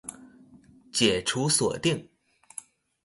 解除鎖定